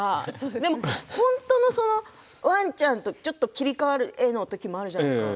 でも、本当のワンちゃんとちょっと切り替わる絵のときもあるじゃないですか。